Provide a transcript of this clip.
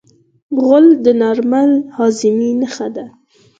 غول د نارمل هاضمې نښه ده.